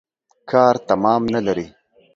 کار تمام نلري.